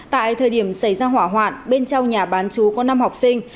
tại thời điểm xảy ra hỏa hoạn bên trong nhà bán chú có năm học sinh